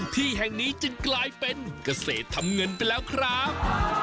ที่แห่งนี้จึงกลายเป็นเกษตรทำเงินไปแล้วครับ